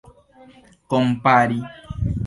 kompari